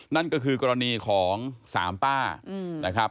นั่นก็คือกรณีของสามป้านะครับ